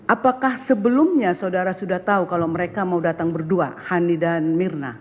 apakah sebelumnya saudara sudah tahu kalau mereka mau datang berdua hani dan mirna